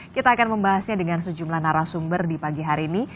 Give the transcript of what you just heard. kita akan membahasnya dengan sejumlah narasumber di pagi hari ini